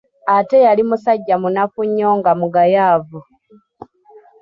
Ate yali musajja munaffu nnyo nga mugayavu.